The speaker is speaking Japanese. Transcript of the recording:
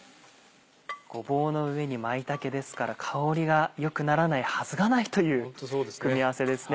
ごぼうの上に舞茸ですから香りがよくならないはずがないという組み合わせですね。